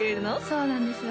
そうなんです